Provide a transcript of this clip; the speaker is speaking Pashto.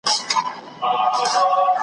په کوم کلي کي پېریانانو .